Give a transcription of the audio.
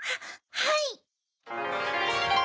はい。